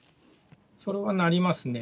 それはなりますね。